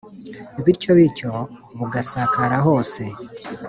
bityo bityo bugasakara hose.